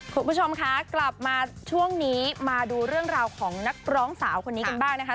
คุณผู้ชมคะกลับมาช่วงนี้มาดูเรื่องราวของนักร้องสาวคนนี้กันบ้างนะคะ